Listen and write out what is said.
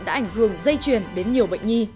đã ảnh hưởng dây chuyển đến nhiều bệnh nhi